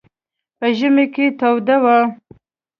په ژمي کې توده وه.